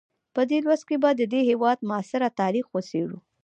په دې لوست کې به د دې هېواد معاصر تاریخ وڅېړو.